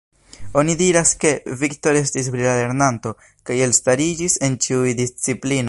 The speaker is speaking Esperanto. Oni diras ke, Viktor estis brila lernanto, kaj elstariĝis en ĉiuj disciplinoj.